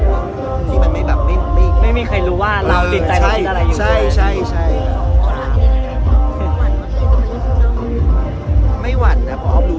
ไม่มีใครรู้ว่าเราติดใจไปกับอะไรอยู่